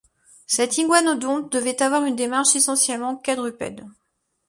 Cet iguanodonte devait avoir une démarche essentiellement quadrupède.